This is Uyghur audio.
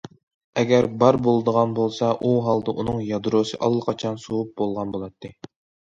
ئەگەر بار بولىدىغان بولسا، ئۇ ھالدا ئۇنىڭ يادروسى ئاللىقاچان سوۋۇپ بولغان بولاتتى.